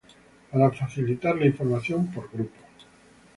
Para facilitar la información por grupos.